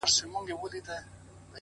نیک عمل تل خپل اغېز پرېږدي’